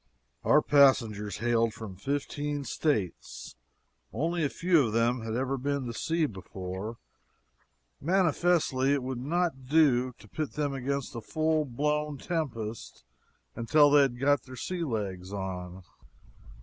Our passengers hailed from fifteen states; only a few of them had ever been to sea before; manifestly it would not do to pit them against a full blown tempest until they had got their sea legs on.